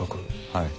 はい。